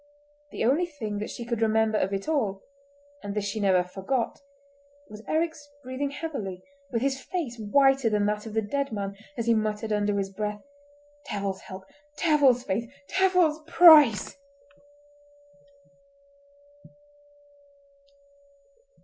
The only thing that she could remember of it all—and this she never forgot—was Eric's breathing heavily, with his face whiter than that of the dead man, as he muttered under his breath: "Devil's help! Devil's faith! Devil's price!"